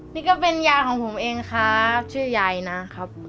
นี่ก็เป็นยายของผมเองครับชื่อยายนะครับ